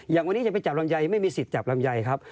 อย่างวันนี้จะไปจับลำไยไม่มีสิทธิ์จับลำไยครับ